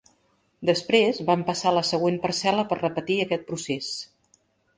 Després, van passar a la següent parcel·la per repetir aquest procés.